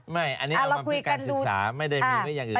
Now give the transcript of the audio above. ไม่อันนี้เอามาเพื่อการศึกษาไม่ได้มีไว้อย่างอื่น